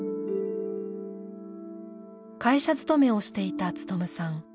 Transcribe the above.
会社勤めをしていた勉さん。